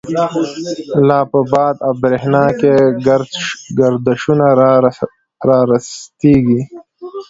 لا په باد او برَښنا کی، گردشونه را رستیږی